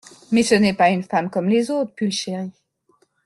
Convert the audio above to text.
Mais ce n'est pas une femme comme les autres, Pulchérie …